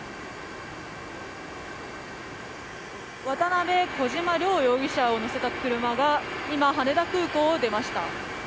渡邉・小島両容疑者を乗せた車が今、羽田空港を出ました。